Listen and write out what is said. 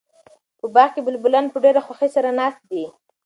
په باغ کې بلبلان په ډېره خوښۍ سره ناست دي.